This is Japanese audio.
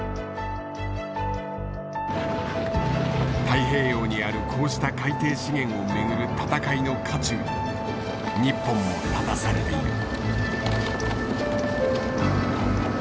太平洋にあるこうした海底資源をめぐる闘いの渦中に日本も立たされている。